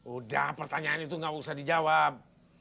udah pertanyaan itu nggak usah dijawab